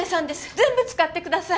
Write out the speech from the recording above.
全部使ってください